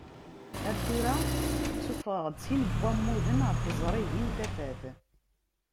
Ar tura, suffeɣeɣ-d sin n wammuden ɣer tezrigin Tafat.